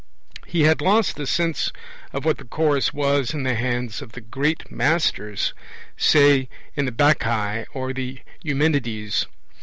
He had lost the sense of what the Chorus was in the hands of the great masters, say in the Bacchae or the Eumenides.